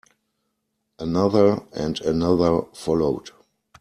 Another and another followed.